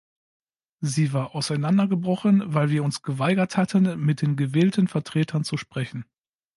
Sie war auseinandergebrochen, weil wir uns geweigert hatten, mit den gewählten Vertretern zu sprechen.